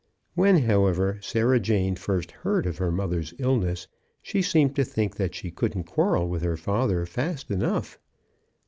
When, however, Sarah Jane first heard of her mother's illness, she seemed to think that she couldn't quarrel with her father fast enough.